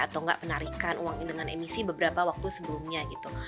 atau nggak penarikan uang ini dengan emisi beberapa waktu sebelumnya gitu